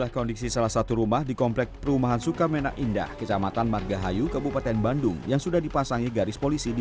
kepada pemilik rumah dan polisi